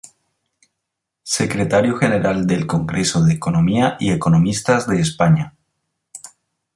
Secretario General del Congreso de Economía y Economistas de España.